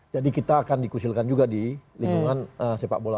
jadi kita akan dikhusilkan juga di lingkungan sepak bola